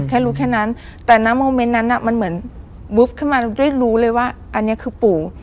แค่รู้แค่นั้นแต่ในโมเมนต์นั้นมันเหมือนบุ๋มเข้ามาเรียกรู้เลยว่าอันนี้คือปู่